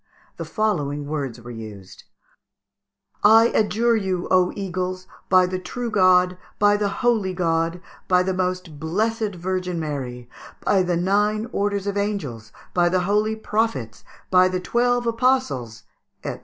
The following words were used: "I adjure you, O eagles! by the true God, by the holy God, by the most blessed Virgin Mary, by the nine orders of angels, by the holy prophets, by the twelve apostles, &c....